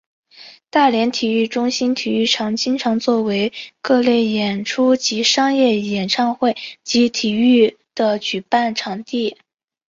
大连体育中心体育场经常作为各类演出及商业演唱会及体育的举办场地。